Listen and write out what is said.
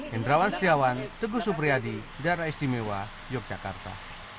hendrawan setiawan teguh supriyadi daerah istimewa yogyakarta